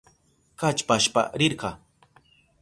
Kallpashpa rirka.